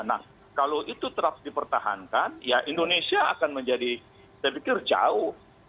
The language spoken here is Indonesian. nah kalau itu terus dipertahankan ya indonesia akan menjadi saya pikir jauh